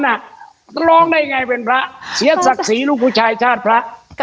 อ่าไม่ต้องถึงสิบล้านหรอกค่ะ